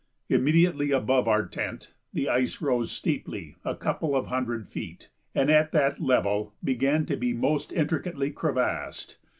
Immediately above our tent the ice rose steeply a couple of hundred feet, and at that level began to be most intricately crevassed.